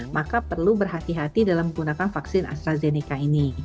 maka perlu berhati hati dalam menggunakan vaksin astrazeneca ini